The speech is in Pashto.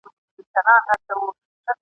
خو نه بینا سول نه یې سترګي په دعا سمېږي !.